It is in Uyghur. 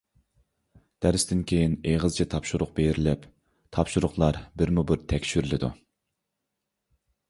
دەرستىن كېيىن ئېغىزچە تاپشۇرۇق بېرىلىپ، تاپشۇرۇقلار بىرمۇبىر تەكشۈرۈلىدۇ.